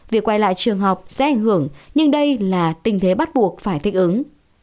việc quay lại trường học sẽ ảnh hưởng nhưng đây là tình thế bắt buộc phải thích ứng